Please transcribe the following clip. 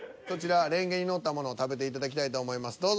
そちられんげに載ったものを食べていただきたいと思います。